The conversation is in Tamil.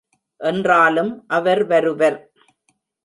என்றாலும் அவர் வருவர்.